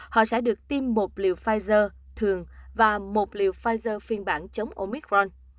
họ sẽ được tiêm thêm một liều pfizer thường và một liều pfizer phiên bản chống omicron